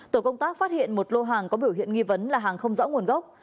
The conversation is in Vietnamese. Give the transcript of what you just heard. tổ công tác phát hiện một lô hàng có biểu hiện nghi vấn là hàng không rõ nguồn gốc